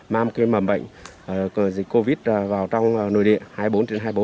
mang cái mầm bệnh covid một mươi chín vào trong nội địa hai mươi bốn trên hai mươi bốn